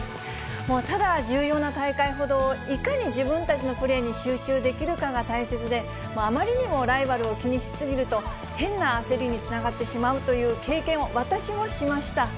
もうただ重要な大会ほど、いかに自分たちのプレーに集中できるかが大切で、あまりにもライバルを気にし過ぎると、変な焦りにつながってしまうという経験を私もしました。